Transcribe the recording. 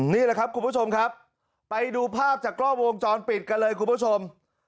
นี่แหละครับคุณผู้ชมครับไปดูภาพจากกล้องวงจรปิดกันเลยคุณผู้ชม